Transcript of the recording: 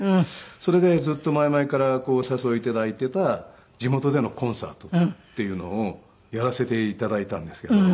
それでずっと前々からお誘い頂いていた地元でのコンサートっていうのをやらせて頂いたんですけど。